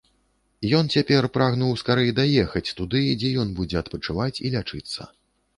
Ён цяпер прагнуў скарэй даехаць туды, дзе ён будзе адпачываць і лячыцца.